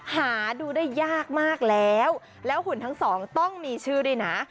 หาดูได้ยากมากแล้วแล้วหุ่นทั้งสองต้องมีชื่อด้วยนะ